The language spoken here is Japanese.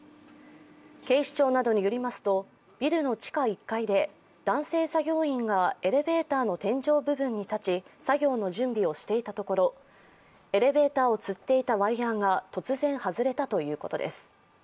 警視庁などによりますと、ビルの地下１階で男性作業員がエレベーターの天井部分に立ち作業の準備をしていたところエレベーターをつっていたワイヤーが突然、外れたということです。